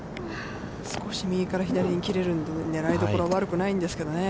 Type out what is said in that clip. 少し右から左に切れるので、狙いどころは悪くないんですけどね。